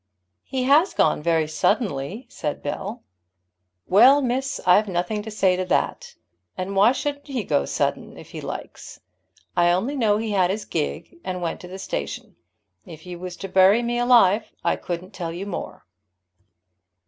"He has gone very suddenly," said Bell. "Well, miss, I've nothing to say to that. And why shouldn't he go sudden if he likes? I only know he had his gig, and went to the station. If you was to bury me alive I couldn't tell you more."